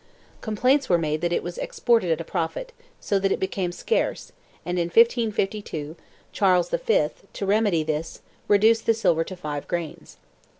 Complaints were made that it was exported at a profit, so that it became scarce, and in 1552 Charles V, to remedy this, reduced the silver to 5 grains.